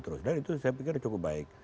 terus dan itu saya pikir cukup baik